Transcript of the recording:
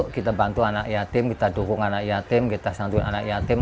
kita bantu anak yatim kita dukung anak yatim kita santuin anak yatim